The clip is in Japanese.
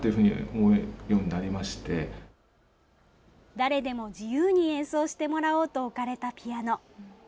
誰でも自由に演奏してもらおうと置かれたピアノ。